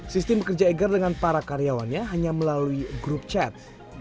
sistem bekerja eger dengan para karyawannya hanya melalui grup chat